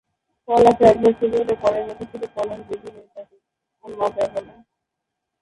ফল আসা একবার শুরু হলে বছরের পর বছর ফলন বৃদ্ধি পেতে থাকে।